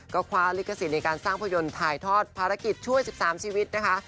ก็คว้าลิขสิทธิ์ในการสร้างภาพยนตร์ถ่ายทอดภารกิจช่วย๑๓ชีวิตนะคะ